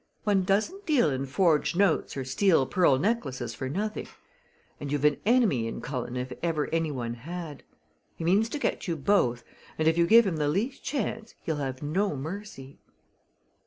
One doesn't deal in forged notes or steal pearl necklaces for nothing; and you've an enemy in Cullen if ever any one had. He means to get you both, and if you give him the least chance he'll have no mercy."